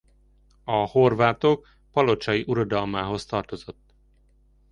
A Horvátok palocsai uradalmához tartozott.